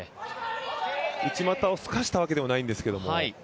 内股をすかしたわけでもないんですけれども。